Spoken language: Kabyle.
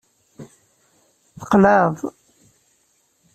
Tqelɛeḍ.